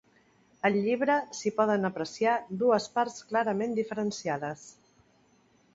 Al llibre s'hi poden apreciar dues parts clarament diferenciades.